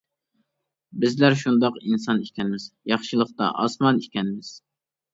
بىزلەر شۇنداق ئىنسان ئىكەنمىز، ياخشىلىقتا «ئاسمان» ئىكەنمىز.